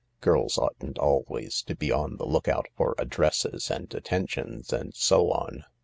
Girls oughtn't always to be on the look out for addresses and attentions and so on."